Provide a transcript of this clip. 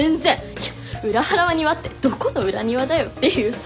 いや裏原は庭ってどこの裏庭だよっていうさ。